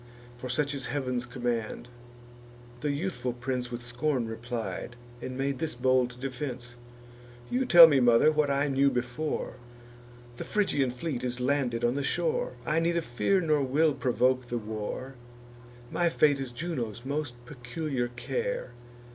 For such is Heav'n's command." The youthful prince With scorn replied, and made this bold defence: "You tell me, mother, what I knew before: The Phrygian fleet is landed on the shore. I neither fear nor will provoke the war; My fate is Juno's most peculiar care.